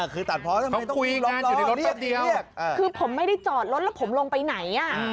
คือตัดพอต้องคุยงานอยู่ในรถตัวเดียวคือผมไม่ได้จอดรถแล้วผมลงไปไหนอ่ะ